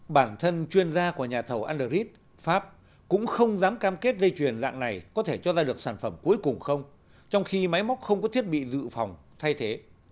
bản thân chuyên gia của nhà thầu anderrid pháp cũng không dám cam kết dây chuyền dạng này có thể cho ra được sản phẩm cuối cùng không trong khi máy móc không có thiết bị dự phòng thay thế